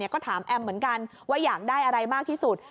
ก็ถามแอมเหมือนกันว่าอยากได้อะไรมากที่สุด